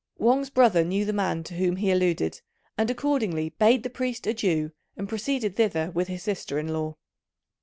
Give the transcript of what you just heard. Wang's brother knew the man to whom he alluded, and accordingly bade the priest adieu, and proceeded thither with his sister in law.